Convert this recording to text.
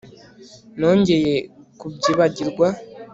Nongeye kubyibagirwa